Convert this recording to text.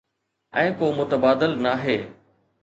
۽ ڪو متبادل ناهي.